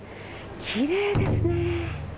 きれいですね。